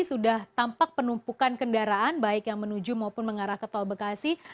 sudah tampak penumpukan kendaraan baik yang menuju maupun mengarah ke tol bekasi